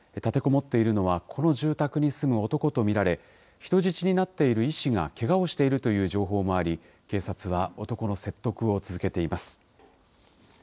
立てこもっているのは、この住宅に住む男と見られ、人質になっている医師がけがをしているという情報もあり、警察が男の説得を続けています。